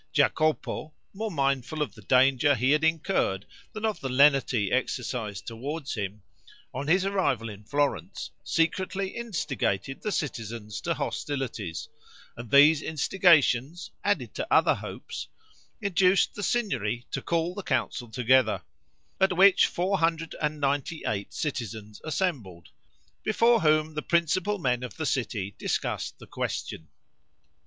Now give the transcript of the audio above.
Jacopo, more mindful of the danger he had incurred than of the lenity exercised toward him, on his arrival in Florence secretly instigated the citizens to hostilities; and these instigations, added to other hopes, induced the Signory to call the Council together, at which 498 citizens assembled, before whom the principal men of the city discussed the question.